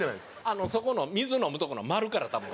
そこの水飲むとこの丸から多分。